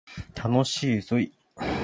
楽しいぞい